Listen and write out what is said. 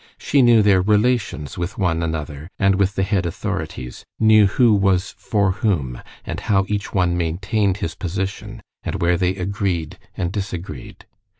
She knew their relations with one another and with the head authorities, knew who was for whom, and how each one maintained his position, and where they agreed and disagreed.